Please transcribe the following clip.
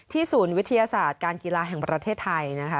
ศูนย์วิทยาศาสตร์การกีฬาแห่งประเทศไทยนะคะ